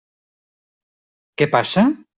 Què passa?